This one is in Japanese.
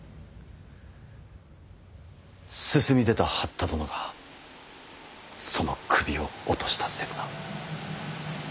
進み出た八田殿がその首を落とした刹那。